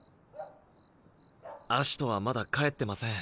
葦人はまだ帰ってません。